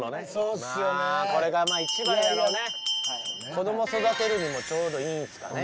子ども育てるにもちょうどいいんですかね。